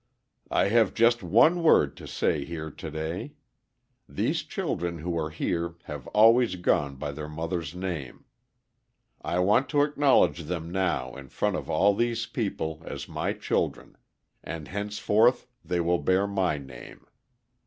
"I have just one word to say here to day. These children who are here have always gone by their mother's name. I want to acknowledge them now in front of all these people as my children; and henceforth they will bear my name.